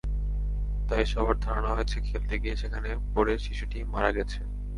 তাই সবার ধারণা হয়েছে, খেলতে গিয়ে সেখানে পড়ে শিশুটি মারা গেছে।